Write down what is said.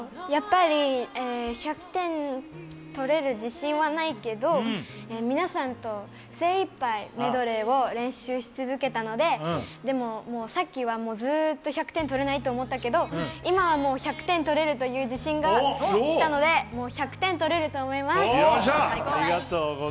やっぱり１００点とれる自信はないけど、皆さんと精一杯メドレーを練習し続けたので、でも、さっきはずーっと１００点とれないと思ったけど、今はもう、１００点とれるという自信がきたので、１００点とれると思います！